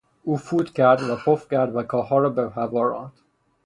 او فوت کرد و پف کرد و کاهها را به هوا راند.